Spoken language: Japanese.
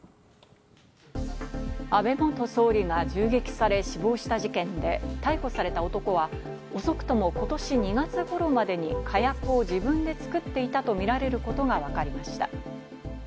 安倍元総理が銃撃され死亡した事件で、逮捕された男は遅くとも今年２月頃までに火薬を自分で作っていたとみられることがわかりました。